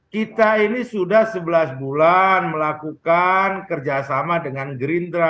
kita ini sudah sebelas bulan melakukan kerjasama dengan gerindra